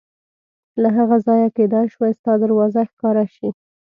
له هغه ځایه کېدای شوه ستا دروازه ښکاره شي.